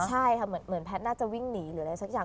ใช่ค่ะเหมือนแพทย์น่าจะวิ่งหนีหรืออะไรสักอย่าง